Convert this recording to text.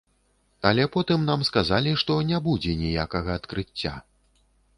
Але потым нам сказалі, што не будзе ніякага адкрыцця.